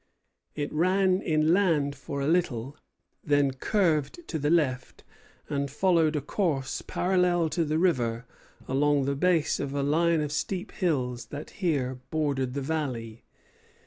It ran inland for a little; then curved to the left, and followed a course parallel to the river along the base of a line of steep hills that here bordered the valley.